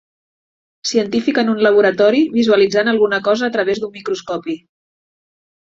Científic en un laboratori, visualitzant alguna cosa a través d'un microscopi.